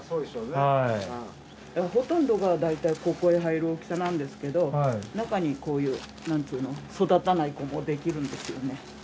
でもほとんどがだいたいここへ入る大きさなんですけど中にこういうなんていうの育たない子もできるんですよね。